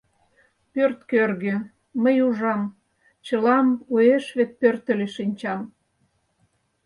Пӧрткӧргӧ — мый ужам чылам Уэш вет пӧртыльӧ шинчам.